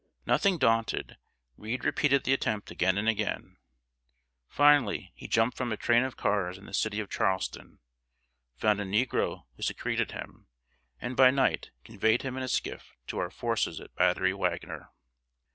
Nothing daunted, Reed repeated the attempt again and again. Finally, he jumped from a train of cars in the city of Charleston, found a negro who secreted him, and by night conveyed him in a skiff to our forces at Battery Wagner.